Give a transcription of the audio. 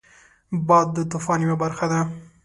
باد د طوفان یو برخه ده